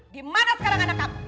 di mana sekarang anak kamu